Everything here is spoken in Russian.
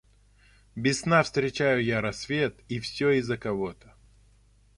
Без сна встречаю я рассвет И все из-за кого-то.